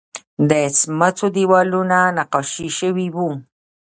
د سمڅو دیوالونه نقاشي شوي وو